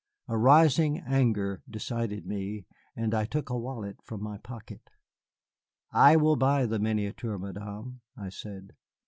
A rising anger decided me, and I took a wallet from my pocket. "I will buy the miniature, Madame," I said.